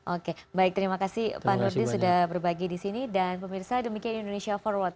oke baik terima kasih pak nurdi sudah berbagi di sini dan pemirsa demikian indonesia forward